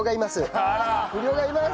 不良がいます！